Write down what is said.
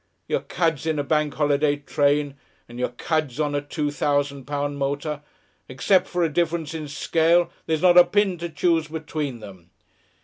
Your cads in a bank holiday train and your cads on a two thousand pound motor; except for a difference in scale, there's not a pin to choose between them.